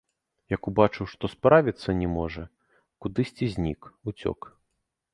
Як убачыў, што справіцца не можа, кудысьці знік, уцёк.